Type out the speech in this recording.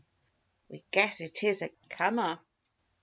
We guess it is a comer.